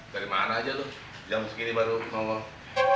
dari mana aja lo jam segini baru mau